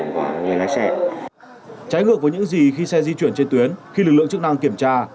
trái ngược với những gì khi xe di chuyển trên tuyến khi lực lượng chức năng kiểm tra